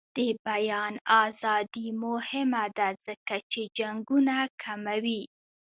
د بیان ازادي مهمه ده ځکه چې جنګونه کموي.